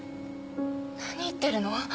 何言ってるの？